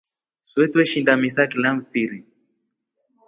Swee tweshinda misa kila mfiri.